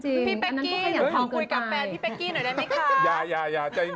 พี่เป๊กกี้เดี๋ยวขอคุยกับแฟนพี่เป๊กกี้หน่อยได้ไหมคะ